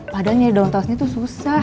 padahal ini daun talesnya tuh susah